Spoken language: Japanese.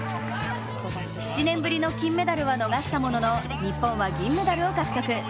７年ぶりの金メダルは逃したものの日本は銀メダルを獲得。